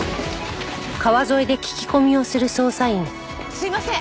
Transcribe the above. すいません。